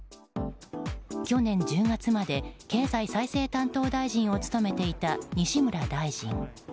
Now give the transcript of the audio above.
去年１０月まで経済再生担当大臣を務めていた西村大臣。